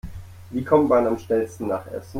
Wie kommt man am schnellsten nach Essen?